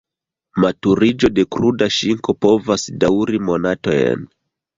Maturiĝo de kruda ŝinko povas daŭri monatojn.